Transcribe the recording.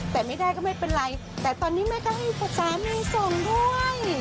แต่ไม่ได้ก็ไม่เป็นไรแต่ตอนนี้แม่ก็ให้ภาษาแม่ส่งด้วย